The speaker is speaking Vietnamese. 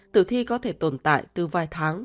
tử thi có thể tồn tại từ vài tháng